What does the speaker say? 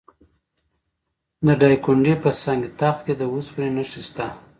د دایکنډي په سنګ تخت کې د وسپنې نښې شته.